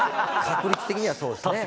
確率的にはそうですね。